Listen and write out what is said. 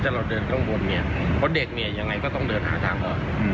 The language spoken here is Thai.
ถ้าเราเดินข้างบนเพราะเด็กอย่างไรก็ต้องเดินหาทางออก